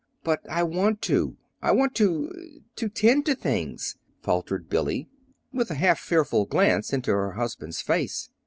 "But I want to. I want to to tend to things," faltered Billy, with a half fearful glance into her husband's face.